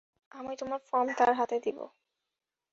আমি তোমার ফর্ম তার হাতে দিবো।